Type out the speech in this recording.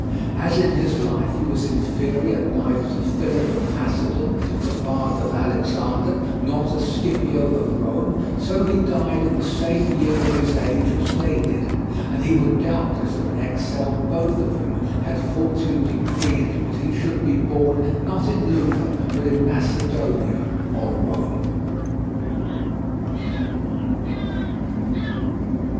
As in his life he was inferior neither to Philip of Macedon, the father of Alexander, nor to Scipio of Rome, so he died in the same year of his age as they did, and he would doubtless have excelled both of them had Fortune decreed that he should be born, not in Lucca, but in Macedonia or Rome.